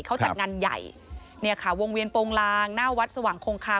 เขาจัดงานใหญ่เนี่ยค่ะวงเวียนโปรงลางหน้าวัดสว่างคงคาม